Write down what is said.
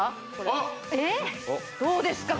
あっどうですか？